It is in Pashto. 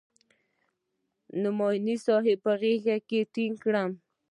نعماني صاحب په غېږ کښې ټينګ کړم.